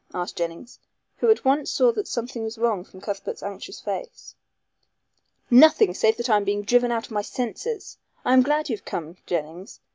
asked Jennings, who at once saw that something was wrong from Cuthbert's anxious face. "Nothing, save that I am being driven out of my senses. I am glad you have come, Jennings.